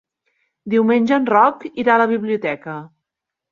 Diumenge en Roc irà a la biblioteca.